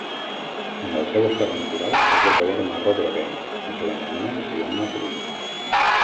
En el seu estat natural, es de color marró groguenc i se l'anomena "sienna cru".